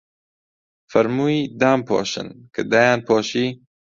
فەرمووی: دام پۆشن، کە دایان پۆشی